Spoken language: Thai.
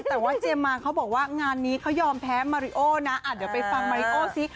แต่ว่าเจมมาเขาบอกว่างานนี้เขายอมแพ้มาริโอนะเดี๋ยวไปฟังมาริโอซิ